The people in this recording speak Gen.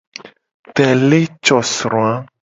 Tele co sro a.